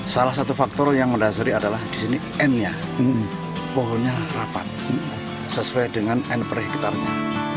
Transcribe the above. salah satu faktor yang mendasari adalah di sini n nya pohonnya rapat sesuai dengan n per hektarnya